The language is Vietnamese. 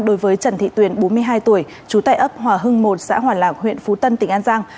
đối với trần thị tuyền bốn mươi hai tuổi trú tại ấp hòa hưng một xã hòa lạc huyện phú tân tỉnh an giang